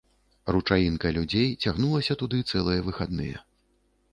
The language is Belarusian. Ручаінка людзей цягнулася туды цэлыя выхадныя.